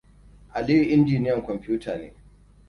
Aliyu injiniyan kwamfuta ne.